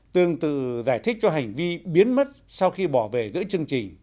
tương tự giải thích cho hành vi biến mất sau khi bỏ về giữa chương trình